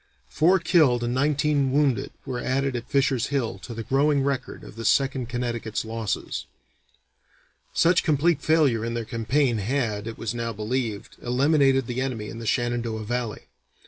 Four killed and nineteen wounded were added at Fisher's Hill to the growing record of the Second Connecticut's losses. [Illustration: Colonel Kellogg] Such complete failure in their campaign had, it was now believed, eliminated the enemy in the Shenandoah Valley.